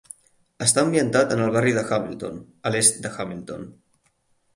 Està ambientat en el barri de Hamilton, a l'est de Hamilton.